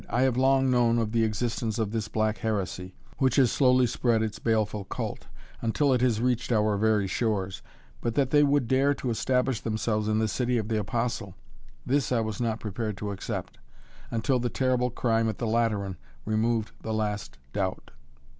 "I have long known of the existence of this black heresy, which has slowly spread its baleful cult, until it has reached our very shores. But that they would dare to establish themselves in the city of the Apostle, this I was not prepared to accept, until the terrible crime at the Lateran removed the last doubt.